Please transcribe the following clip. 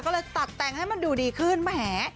ก็เลยตัดแต่งให้มันดูดีขึ้นแหม